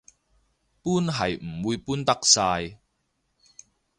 搬係唔會搬得晒